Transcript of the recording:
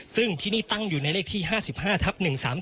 ซึ่งที่นี่ตั้งอยู่ในเลขที่๕๕ทับ๑๓๓